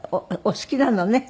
お好きなのね。